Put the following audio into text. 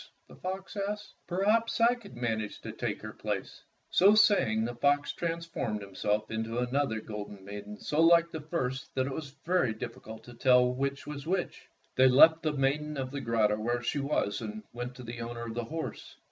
the fox asked. "Perhaps I could manage to take her place." So saying, the fox transformed himself into another golden maiden so like the first Fairy Tale Foxes 45 that it was diflScult to tell which was which. They left the maiden of the grotto where she was and went to the owner of the horse.